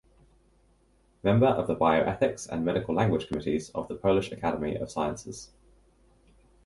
Member of the Bioethics and Medical Language committees of the Polish Academy of Sciences.